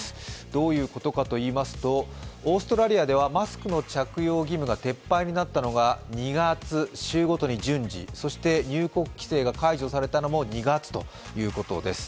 どういうことかといいますと、オーストラリアではマスクの着用義務が撤廃になったのが２月、週ごとに順次、そして入国規制が解除されたのも２月ということです。